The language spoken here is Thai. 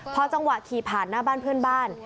พอจังหวะขี่ผ่านหน้าบ้านเพื่อนบ้าน